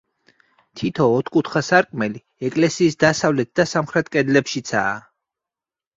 თითო, ოთხკუთხა სარკმელი ეკლესიის დასავლეთ და სამხრეთ კედლებშიცაა.